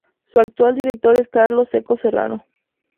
Su actual director es Carlos Seco Serrano.